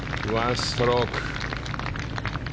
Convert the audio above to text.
１ストローク。